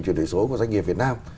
truyền đổi số của doanh nghiệp việt nam